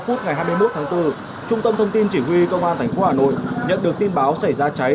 khoảng một h một mươi ba ngày hai mươi một tháng bốn trung tâm thông tin chỉ huy công an tp hcm nhận được tin báo xảy ra cháy